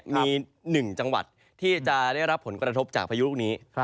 มี๑จังหวัดที่จะได้รับผลกระทบจากพายุลูกนี้